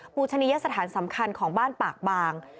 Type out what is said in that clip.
ปูชนียสถานสำคัญของบ้านปากบาง